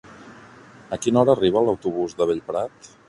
A quina hora arriba l'autobús de Bellprat?